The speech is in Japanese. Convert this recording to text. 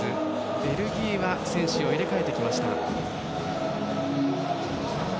ベルギーは選手を入れ替えてきました。